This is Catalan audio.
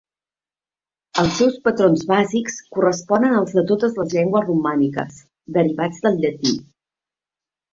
Els seus patrons bàsics corresponen als de totes les llengües romàniques, derivats del llatí.